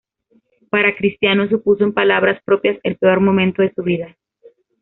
Para Cristiano supuso en palabras propias el peor momento de su vida.